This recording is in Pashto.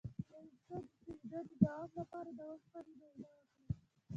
د ویښتو د تویدو د دوام لپاره د اوسپنې معاینه وکړئ